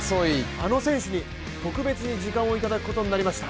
あの選手に、特別に時間をいただくことになりました。